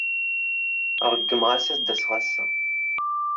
Ṛeggmeɣ-as ad d-aseɣ ass-a.